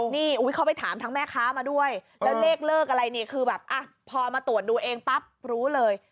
นี่เขาไปถามทั้งแม่ค้ามาด้วยแล้วเลขเลิกอะไรนี่คือแบบพอมาตรวจดูเองปั๊บรู้เลย